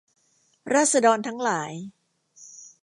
ราษฎรทั้งหลาย